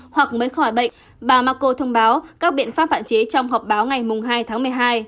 hoặc mới khỏi bệnh bà mako thông báo các biện pháp hạn chế trong họp báo ngày hai tháng một mươi hai